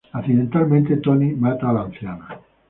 Accidentalmente, Tony mata a la anciana.